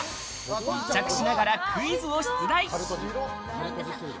密着しながらクイズを出題！